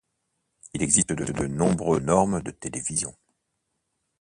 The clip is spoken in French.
Il existe de nombreuses normes de télévision.